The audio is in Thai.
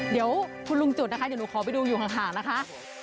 เดี๋ยวคุณลุงจุดนะคะเดี๋ยวหนูขอไปดูอยู่ห่างนะคะ